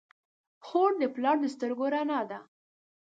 خور د پلار د سترګو رڼا ده.